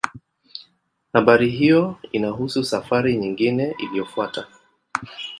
Habari hiyo inahusu safari nyingine iliyofuata.